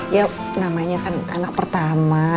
ya namanya kan anak pertama